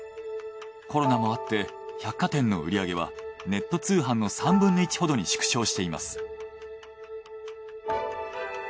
コロナもあって百貨店の売り上げはネット通販の３分の１ほどに縮小しています。